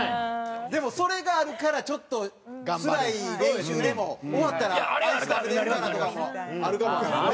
でもそれがあるからちょっとつらい練習でも終わったらアイス食べられるからとかもあるかもわからんね。